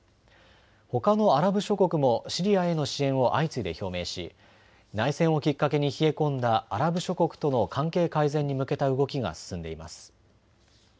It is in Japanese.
ほかのアラブ諸国もシリアへの支援を相次いで表明し内戦をきっかけに冷え込んだアラブ諸国との関係改善に向けた動きが進んでいます。